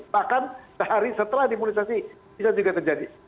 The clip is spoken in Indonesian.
bahkan sehari setelah imunisasi bisa juga terjadi